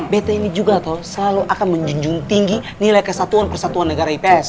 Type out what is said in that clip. bt ini juga selalu akan menjunjung tinggi nilai kesatuan persatuan negara ips